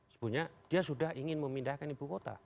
sebenarnya dia sudah ingin memindahkan ibu kota